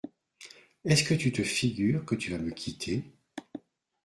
Est-ce que tu te figures que tu vas me quitter ?